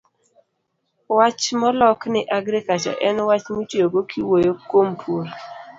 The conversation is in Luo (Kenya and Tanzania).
wach molok ni "agriculture" en wach mitiyogo kiwuoyo kuom pur.